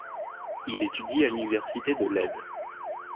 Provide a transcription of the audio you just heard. Il étudie à l'université de Leyde.